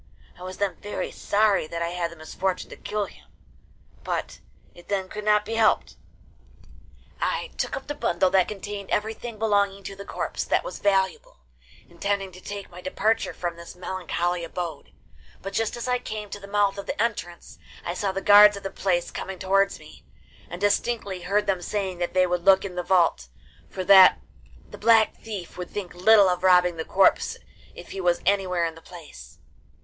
I was then very sorry that I had the misfortune to kill him, but it then could not be helped. I took up the bundle that contained everything belonging to the corpse that was valuable, intending to take my departure from this melancholy abode; but just as I came to the mouth of the entrance I saw the guards of the place coming towards me, and distinctly heard them saying that they would look in the vault, for that the Black Thief would think little of robbing the corpse if he was anywhere in the place.